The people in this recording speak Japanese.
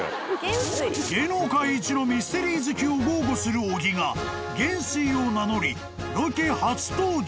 ［芸能界一のミステリー好きを豪語する小木が元帥を名乗りロケ初登場］